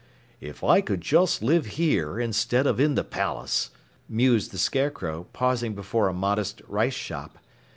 "If I could just live here instead of in the palace," mused the Scarecrow, pausing before a modest rice shop.